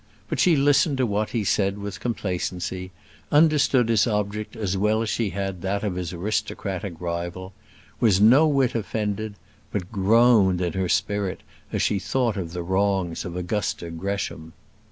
But she listened to what he said with complacency; understood his object as well as she had that of his aristocratic rival; was no whit offended; but groaned in her spirit as she thought of the wrongs of Augusta Gresham.